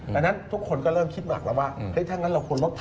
ดังนั้นทุกคนก็เริ่มคิดหนักแล้วว่าถ้างั้นเราควรลดไ